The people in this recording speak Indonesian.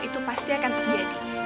itu pasti akan terjadi